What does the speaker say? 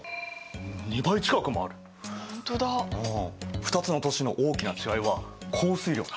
２つの都市の大きな違いは降水量だ。